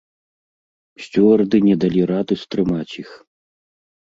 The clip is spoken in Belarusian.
Сцюарды не далі рады стрымаць іх.